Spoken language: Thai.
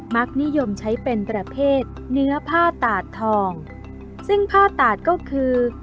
มักนิยมใช้เป็นประเภทเนื้อผ้าตาดทองซึ่งผ้าตาดก็คือ